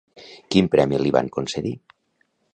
Quin premi li van concedir?